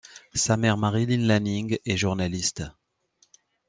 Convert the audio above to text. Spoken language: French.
Sa mère Marilyn Lanning est journaliste.